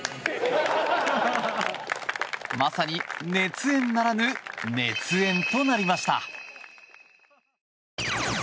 まさに「熱燕」ならぬ熱演となりました。